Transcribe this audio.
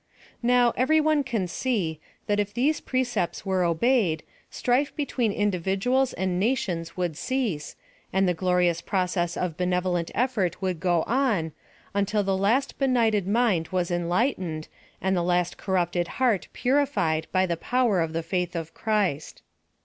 Now, every one can see, that if these precepts were obeyed, strife between individuals and nations would cease, and the glorious process of benevo lent effort would go on, until the last benighted mind was enlightened, and the last corrupted heart purified by the power of tiie faitli of Christ.